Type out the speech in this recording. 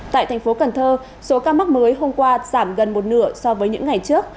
tại thành phố cần thơ số ca mắc mới hôm qua giảm gần một nửa so với những ngày trước